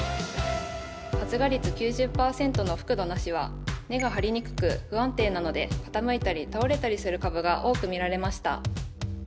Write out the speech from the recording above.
発芽率９０％の覆土なしは根が張りにくく不安定なので傾いたり倒れたりする株が多く見られました。